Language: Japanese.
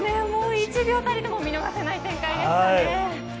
１秒たりとも見逃せない展開でしたね。